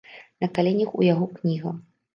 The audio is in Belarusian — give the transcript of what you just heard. На каленях у яго кніга.